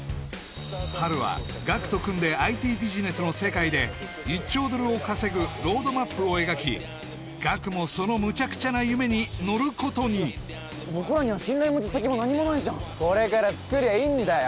ハルはガクと組んでＩＴビジネスの世界で１兆ドルを稼ぐロードマップを描きガクもそのむちゃくちゃな夢に乗ることに僕らには信頼も実績も何にもないじゃんこれから作りゃいいんだよ